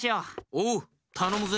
おうたのむぜ。